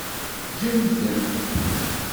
Ǧǧem-ten.